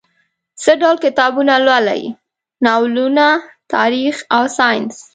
څه ډول کتابونه لولئ؟ ناولونه، تاریخ او ساینس